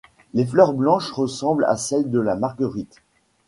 Les fleurs blanches ressemblent à celles de la marguerite.